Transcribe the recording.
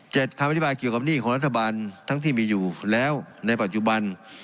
คำอธิบายเกี่ยวกับหนี้ของรัฐบาลทั้งที่มีอยู่แล้วในปัจจุบัน